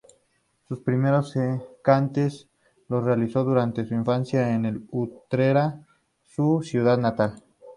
Sus primeros cantes los realizó durante su infancia en Utrera, su ciudad natal.